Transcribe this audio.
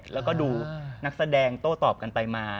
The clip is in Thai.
แล้วก็ดูนักแสดงโต้ตอบกันไปมา